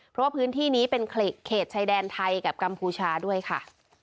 เพราะว่าพื้นที่นี้เป็นเขตชายแดนไทยกับกัมพูชาด้วยค่ะ